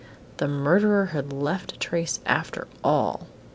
_The murderer had left a trace after all!